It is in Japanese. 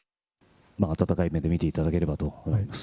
温かい目で見ていただけたらと思います。